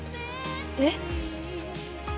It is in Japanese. えっ？